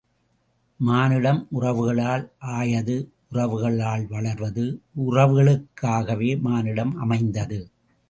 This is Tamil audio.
மானுடம் உறவுகளால் ஆயது உறவுகளால் வளர்வது, உறவுகளுக்காகவே மானுடம் அமைந்தது.